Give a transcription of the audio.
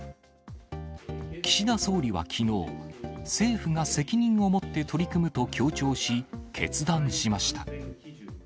岸田総理はきのう、政府が責任を持って取り組むと強調し、決断しました。